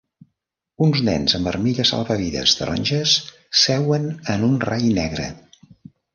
Uns nens amb armilles salvavides taronges seuen en un rai negre.